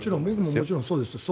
もちろんそうですよ。